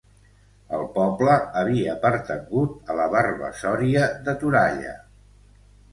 El poble havia pertangut a la Varvassoria de Toralla.